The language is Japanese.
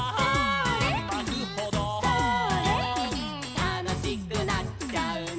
「たのしくなっちゃうね」